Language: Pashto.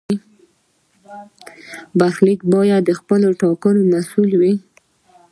برخلیک باید د خپلې ټاکنې محصول وي.